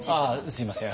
すいません。